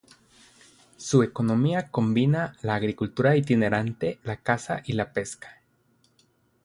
Su economía combina la agricultura itinerante, la caza y la pesca.